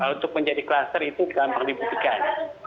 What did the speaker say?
untuk menjadi klaster itu gampang dibuktikan